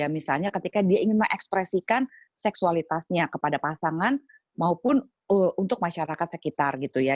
misalnya ketika dia ingin mengekspresikan seksualitasnya kepada pasangan maupun untuk masyarakat sekitar gitu ya